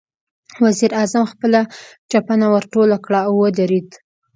وزير اعظم خپله چپنه ورټوله کړه، ودرېد.